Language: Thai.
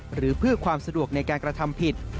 หรือเพื่อความสะดวกในการกระทำผิด